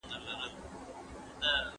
موږ باید د ناروغیو ټولنیز لاملونه وپېژنو.